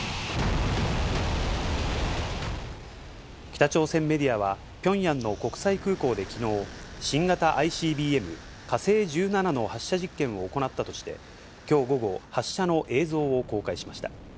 北朝鮮メディアは、ピョンヤンの国際空港できのう、新型ＩＣＢＭ火星１７の発射実験を行ったとして、きょう午後、発射の映像を公開しました。